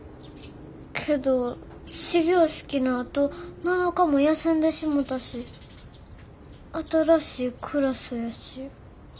けど始業式のあと７日も休んでしもたし新しいクラスやし。